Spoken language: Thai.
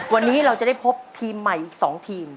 วันนี้เราจะได้พบทีมใหม่อีก๒ทีม